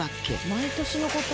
毎年のこと？